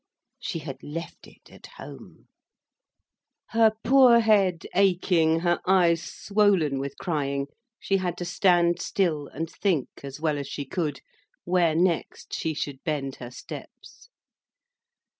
She had left it at home. Her poor head aching, her eyes swollen with crying, she had to stand still, and think, as well as she could, where next she should bend her steps.